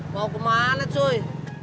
mau kemana cuy